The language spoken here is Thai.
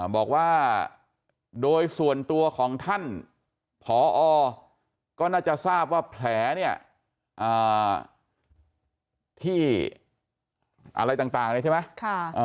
บอกว่าโดยส่วนตัวของท่านผอก็น่าจะทราบว่าแผลเนี่ยที่อะไรต่างเนี่ยใช่ไหม